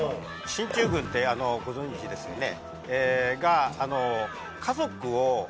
進駐軍ってご存じですよね。